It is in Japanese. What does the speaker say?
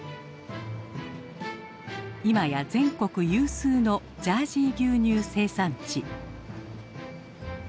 今や全国有数のジャージー牛乳生産地。